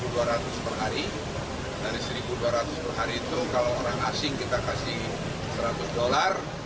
dari satu dua ratus per hari itu kalau orang asing kita kasih seratus dolar